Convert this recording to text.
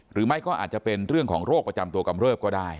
หรือไม่ก็อาจจะเป็นเรื่องของโรคประจำตัวกำเริบก็ได้